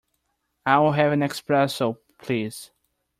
I'll have an Espresso, please.